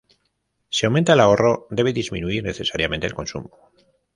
Si aumenta el ahorro, debe disminuir necesariamente el consumo.